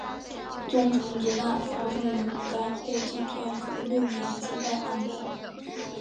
宗城之战发生于五代后晋天福六年击败安重荣。